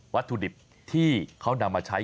วัตถุดิบที่เขานำมาใช้